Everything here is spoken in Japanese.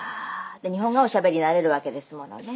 日本語はおしゃべりになれるわけですものね。